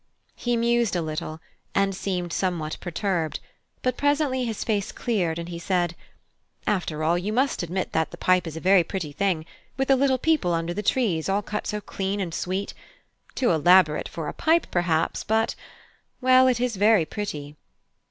He mused a little, and seemed somewhat perturbed; but presently his face cleared, and he said: "After all, you must admit that the pipe is a very pretty thing, with the little people under the trees all cut so clean and sweet; too elaborate for a pipe, perhaps, but well, it is very pretty."